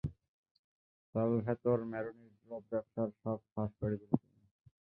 Salvatore ম্যারোনির drop ব্যবসার সব ফাঁস করে দিলে তুমি।